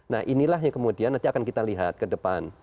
nah inilah yang kemudian nanti akan kita lihat ke depan